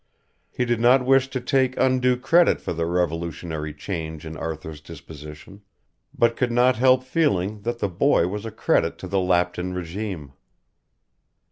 He did not wish to take undue credit for the revolutionary change in Arthur's disposition, but could not help feeling that the boy was a credit to the Lapton regime.